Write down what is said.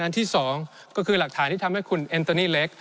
อันที่๒ก็คือหลักฐานที่ทำให้คุณแอนโตนี่เล็ก